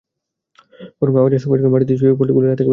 বরং আওয়াজের সঙ্গে সঙ্গে মাটিতে শুয়ে পড়লে গুলির হাত থেকে বাঁচা যাবে।